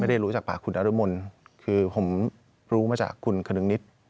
ได้รู้จากปากคุณอรุมลคือผมรู้มาจากคุณคนึงนิด